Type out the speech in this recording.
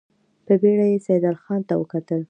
په بېړه يې سيدال خان ته وکتل.